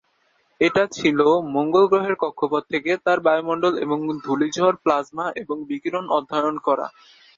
এটি ছিল মঙ্গল গ্রহের কক্ষপথ থেকে তার বায়ুমণ্ডল এবং ধূলিঝড়, প্লাজমা এবং বিকিরণ অধ্যয়ন করা।